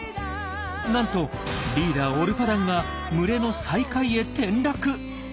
なんとリーダーオルパダンが群れの最下位へ転落！